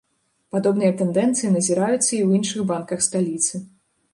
Падобныя тэндэнцыі назіраюцца і ў іншых банках сталіцы.